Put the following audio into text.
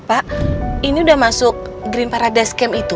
aku minta lepaskan kalau